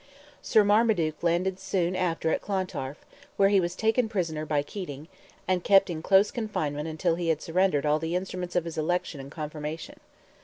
Sir Marmaduke landed soon after at Clontarf, where he was taken prisoner by Keating, and kept in close confinement until he had surrendered all the instruments of his election and confirmation.